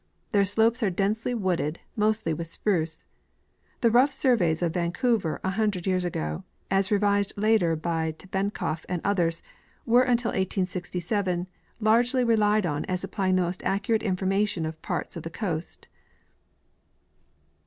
Their slopes are densely wooded, mostly with spruce. The rough surveys of Vancouver a hundred years ago, as revised later by Tebenkof and others, were until 1867 largely relied on as supplying the most accurate information of parts of the coast.